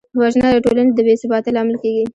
وژنه د ټولنې د بېثباتۍ لامل کېږي